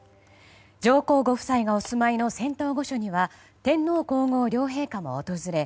上皇ご夫妻がお住まいの仙洞御所には天皇・皇后両陛下も訪れ